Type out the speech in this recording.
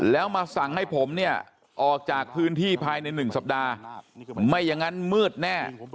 แล้วมาสั่งให้ผมเนี่ยออกจากพื้นที่ภายใน๑สัปดาห์ไม่อย่างนั้นมืดแน่